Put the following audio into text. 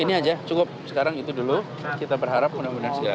ini aja cukup sekarang itu dulu kita berharap mudah mudahan segera